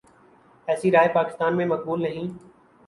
ایسی رائے پاکستان میں مقبول نہیں۔